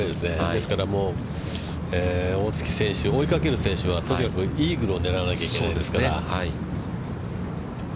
ですから、大槻選手、追いかける選手はとにかくイーグルを狙わなきゃいけないですから。